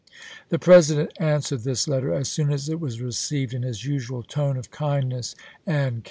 The President answered this letter as soon as it was received in his usual tone of kindness and can GENERAL D.